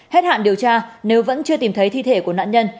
hết hạn điều tra nếu vẫn chưa tìm thấy thi thể của nạn nhân